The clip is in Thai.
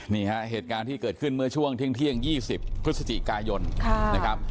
นี่ฮะเหตุการณ์ที่เกิดขึ้นเมื่อช่วงเที่ยงเที่ยงยี่สิบพฤศจิกายนค่ะนะครับ